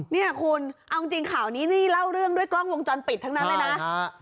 เนี่ยคุณเอาจริงข่าวนี้นี่เล่าเรื่องด้วยกล้องวงจรปิดทั้งนั้นเลยนะ